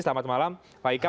selamat malam pak ika